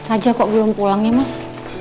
aja kok belum pulang ya mas